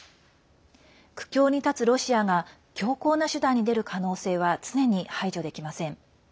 苦境に立つロシアが強硬な手段に出る可能性は常に排除できません。